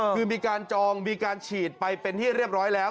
คือมีการจองมีการฉีดไปเป็นที่เรียบร้อยแล้ว